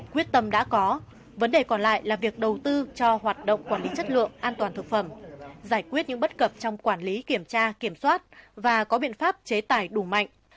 quyết tâm đã có vấn đề còn lại là việc đầu tư cho hoạt động quản lý chất lượng an toàn thực phẩm giải quyết những bất cập trong quản lý kiểm tra kiểm soát và có biện pháp chế tải đủ mạnh